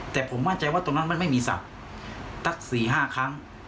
แต่ผมมั่นใจว่าตรงนั้นมันไม่มีศัพท์สัก๔๕ครั้ง